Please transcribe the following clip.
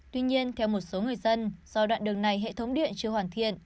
tuy nhiên theo một số người dân do đoạn đường này hệ thống điện chưa hoàn thiện